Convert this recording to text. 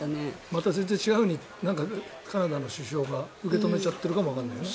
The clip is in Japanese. また全然違うふうにカナダの首相が受け止めちゃってるかもわからないよね。